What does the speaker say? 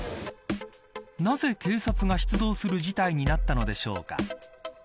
なぜ警察が出動する事態になったのでしょうか。